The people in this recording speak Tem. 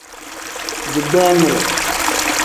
Digbamire.